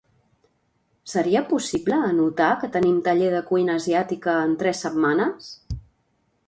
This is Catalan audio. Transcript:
Seria possible anotar que tenim taller de cuina asiàtica en tres setmanes?